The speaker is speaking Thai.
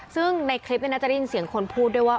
ซึ่งในคลิปนี้น่าจะได้ยินเสียงคนพูดด้วยว่า